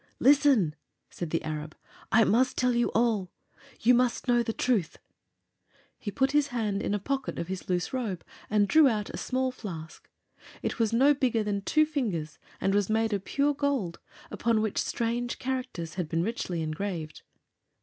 "Listen!" said the Arab. "I must tell you all. You must know the truth!" He put his hand in a pocket of his loose robe and drew out a small flask. It was no bigger than two fingers and was made of pure gold, upon which strange characters had been richly engraved.